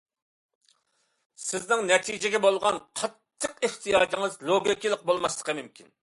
سىزنىڭ نەتىجىگە بولغان قاتتىق ئېھتىياجىڭىز لوگىكىلىق بولماسلىقى مۇمكىن.